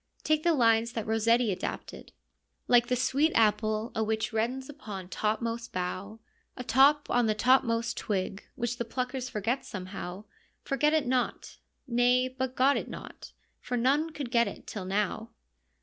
Take the lines that Rossetti adapted : Like the sweet apple a which reddens upon topmost bough, A top on the topmost twig— which the pluckers forget somehow, Forget it not — nay, but got it not, for none could get it till now.